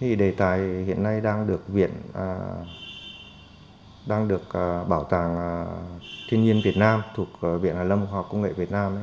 thì đề tài hiện nay đang được viện đang được bảo tàng thiên nhiên việt nam thuộc viện hàn lâm khoa học công nghệ việt nam